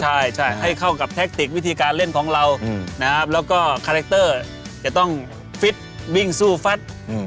ใช่ให้เข้ากับแทคติกวิธีการเล่นของเรานะครับแล้วก็คาแรคเตอร์จะต้องฟิตวิ่งสู้ฟัด